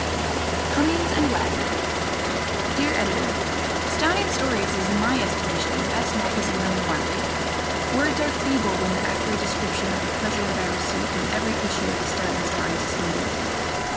Cummings and Wagner Dear Editor: Astounding Stories is in my estimation the best magazine on the market. Words are feeble when an accurate description of the pleasure that I receive from every issue of Astounding Stories is needed.